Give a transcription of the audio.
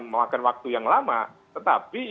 memakan waktu yang lama tetapi